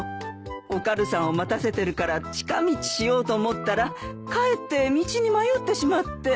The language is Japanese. お軽さんを待たせてるから近道しようと思ったらかえって道に迷ってしまって。